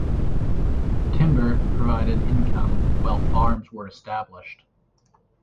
Timber provided income while farms were established.